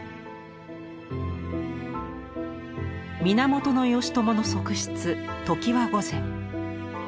源義朝の側室常盤御前。